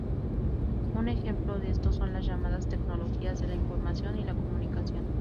Un ejemplo de esto son las llamadas tecnologías de la información y la comunicación.